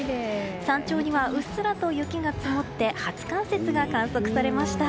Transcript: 山頂にはうっすらと雪が積もって初冠雪が観測されました。